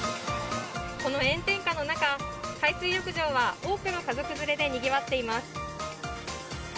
この炎天下の中海水浴場は多くの家族連れでにぎわっています。